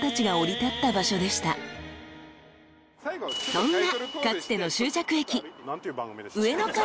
［そんな］